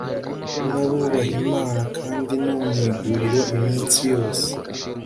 n abubaha imana kandi no mu iguriro iminsi yose